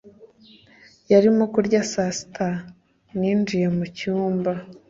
Yarimo kurya saa sita ninjiye mucyumba